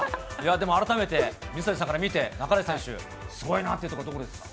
でも改めて、水谷さんから見て、半井選手、すごいなっていうところはどこですか。